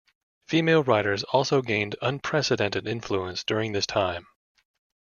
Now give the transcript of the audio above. Female writers also gained unprecedented influence during this time.